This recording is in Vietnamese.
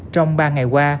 trong ba ngày qua